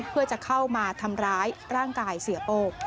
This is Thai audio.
เพื่อจะเข้ามาทำร้ายร่างกายเสียโป้